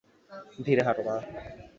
ধীরে হাটো, মা।